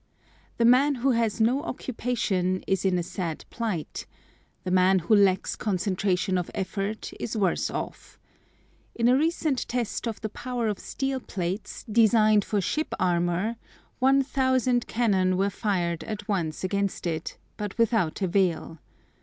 The man who has no occupation, is in a sad plight: The man who lacks concentration of effort is worse off. In a recent test of the power of steel plates, designed for ship armor, one thousand cannon were fired at once against it, but without avail.